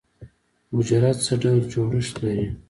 حجره څه ډول جوړښت لري؟